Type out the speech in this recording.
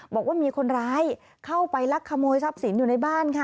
บอกว่ามีคนร้ายเข้าไปลักขโมยทรัพย์สินอยู่ในบ้านค่ะ